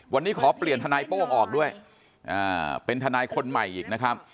วันนี้ขอเปลี่ยนทนายโป้งออกด้วยเป็นทนายคนใหม่อีกนะครับ